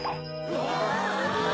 うわ！